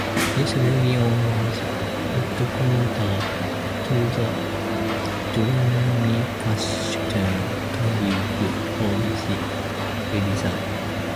This region was headquarters to the Durrani Pashtun tribe of the Alizai.